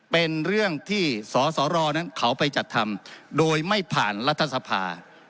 เป็นเรื่องที่สสรนั้นเขาไปจัดทำโดยไม่ผ่านรัฐสภา